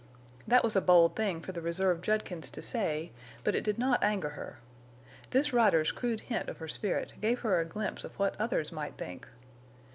That was a bold thing for the reserved Judkins to say, but it did not anger her. This rider's crude hint of her spirit gave her a glimpse of what others might think.